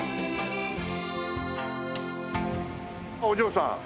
あっお嬢さん。